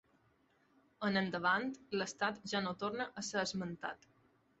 En endavant l'estat ja no torna a ser esmentat.